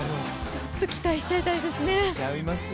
ちょっと期待しちゃいたいですね。